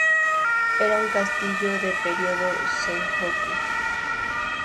Era un castillo del Período Sengoku.